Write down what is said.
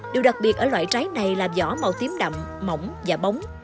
điều đặc biệt ở loại trái này là vỏ màu tím đậm mỏng và bóng